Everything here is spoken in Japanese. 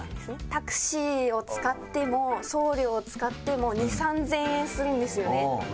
タクシーを使っても送料を使っても２０００３０００円するんですよね。